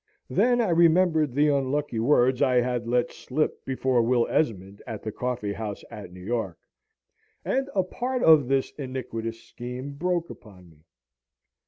Then I remembered the unlucky words I had let slip before Will Esmond at the coffee house at New York; and a part of this iniquitous scheme broke upon me.